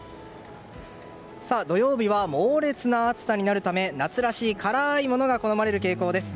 土曜日は猛烈な暑さになるため夏らしい辛いものが好まれる傾向です。